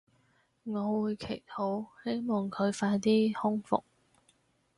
我會祈禱希望佢快啲康復